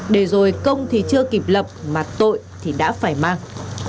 để rồi công thì chưa kịp lập mà tội thì đã phải mang